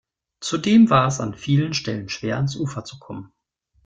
Zudem war es an vielen Stellen schwer, ans Ufer zu kommen.